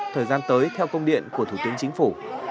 thời gian tới theo công điện của thủ tướng chính phủ